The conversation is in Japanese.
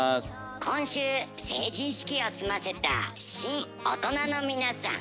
今週成人式を済ませた新大人の皆さん。